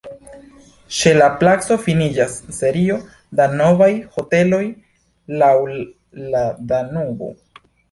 Ĉe la placo finiĝas serio da novaj hoteloj laŭ la Danubo.